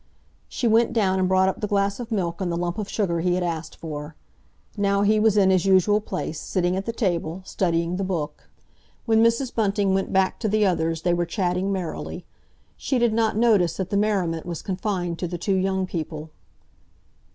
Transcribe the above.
She went down and brought up the glass of milk and the lump of sugar he had asked for. Now he was in his usual place, sitting at the table, studying the Book. When Mrs. Bunting went back to the others they were chatting merrily. She did not notice that the merriment was confined to the two young people.